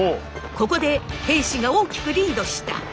ここで平氏が大きくリードした！